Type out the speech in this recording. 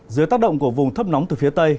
dưới tác động của vùng thấp nóng từ phía tây